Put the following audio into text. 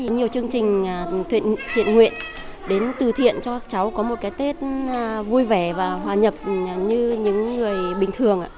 nhiều chương trình thiện nguyện đến từ thiện cho các cháu có một cái tết vui vẻ và hòa nhập như những người bình thường